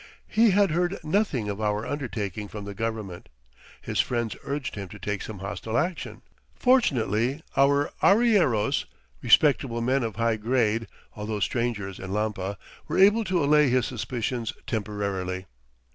He had heard nothing of our undertaking from the government. His friends urged him to take some hostile action. Fortunately, our arrieros, respectable men of high grade, although strangers in Lampa, were able to allay his suspicions temporarily.